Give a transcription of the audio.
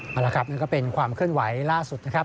นี่ค่ะมันก็เป็นความเคลื่อนไหวล่าสุดนะครับ